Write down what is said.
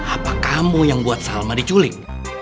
apa kamu yang buat salma diculik